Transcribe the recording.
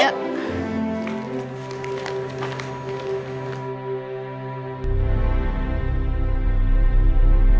ya udah deh